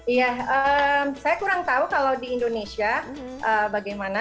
iya saya kurang tahu kalau di indonesia bagaimana